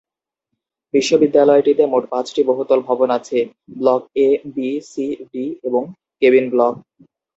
বিশ্ববিদ্যালয়টিতে মোট পাঁচটি বহুতল ভবন আছে; block A, B, C, D এবং কেবিন ব্লক।